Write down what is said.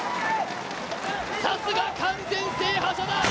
さすが完全制覇者だ。